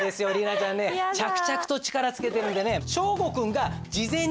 莉奈ちゃんね着々と力つけてるんでね。